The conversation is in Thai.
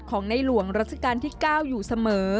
ของในหลวงรัชกาลที่เก้าอยู่เสมอ